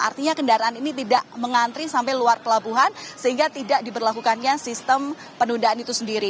artinya kendaraan ini tidak mengantri sampai luar pelabuhan sehingga tidak diberlakukannya sistem penundaan itu sendiri